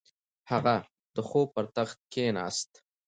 هغه د خوب پر تخت کیناست.